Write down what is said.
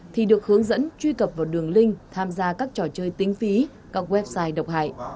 thì được hướng dẫn truy cập vào đường link tham gia các trò chơi tính phí các website độc hại